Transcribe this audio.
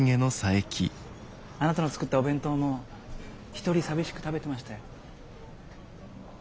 あなたの作ったお弁当も一人寂しく食べてましたよ。